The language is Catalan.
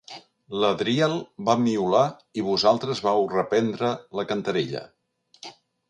L'Adriel va miolar i vosaltres vau reprendre la cantarella.